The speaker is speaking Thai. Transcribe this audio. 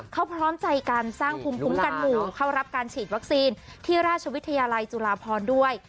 เขาพร้อมใจการสร้างภูมิคุ้มกันหมู่เข้ารับการฉีดวัคซีนที่ราชวิทยาลัยจุฬาพรด้วย